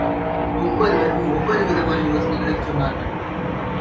ஒவ்வொருவரும் ஒவ்வொரு விதமான யோசனைகளைச் சொன்னார்கள்.